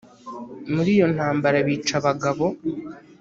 muri iyo ntambara bica abagabo